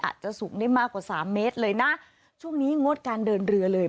อาจจะสูงได้มากกว่าสามเมตรเลยนะช่วงนี้งดการเดินเรือเลย